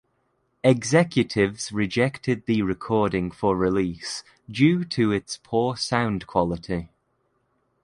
Executives rejected the recording for release due to its poor sound quality.